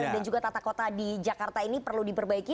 dan juga tata kota di jakarta ini perlu diperbaiki